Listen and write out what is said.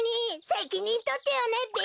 せきにんとってよねべ！